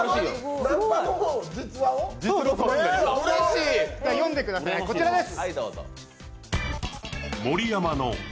実話、読んでください、こちらです。